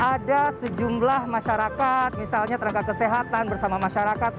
kalau di seberang sana ada sejumlah masyarakat misalnya terangga kesehatan bersama masyarakat